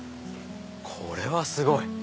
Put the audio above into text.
これはすごい！